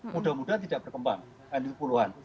mudah mudahan tidak berkembang lanjut puluhan